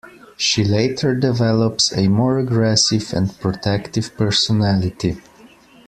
She later develops a more aggressive and protective personality.